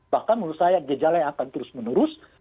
bahkan menurut saya gejala yang akan terus menerus